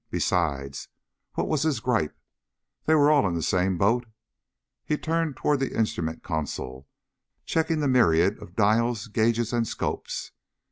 Besides, what was his gripe? They were all in the same boat. He turned to the instrument console, checking the myriad of dials, gauges and scopes.